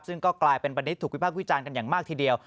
ซึ่งก็กลายเป็นวันนี้ถูกวิพากษ์วิจารณ์กันอย่างมากทีเดียว